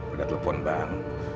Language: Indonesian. udah telepon bang